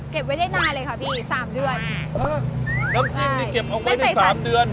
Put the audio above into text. ไว้ได้นานเลยค่ะพี่สามเดือนอ่าน้ำจิ้มนี่เก็บเอาไว้ในสามเดือน